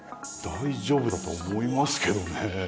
大丈夫だと思いますけどね。